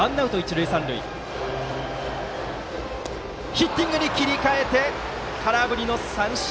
ヒッティングに切り替えて空振りの三振。